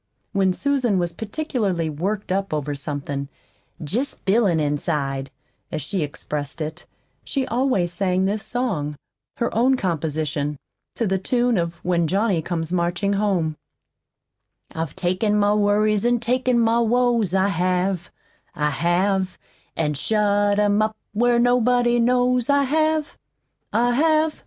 When Susan was particularly "worked up" over something, "jest b'ilin' inside" as she expressed it, she always sang this song her own composition, to the tune of "When Johnny Comes Marching Home": "I've taken my worries, an' taken my woes, I have, I have, An' shut 'em up where nobody knows, I have, I have.